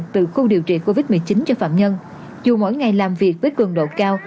từ khu điều trị covid một mươi chín cho phạm nhân dù mỗi ngày làm việc với cường độ cao